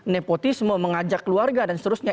nepotisme mengajak keluarga dan seterusnya